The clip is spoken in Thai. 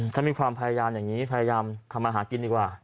ถ้ามีความพยายามอย่างนี้พยายามทำอาหารกินดีกว่า